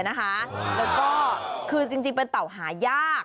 แล้วก็คือจริงเป็นเต่าหายาก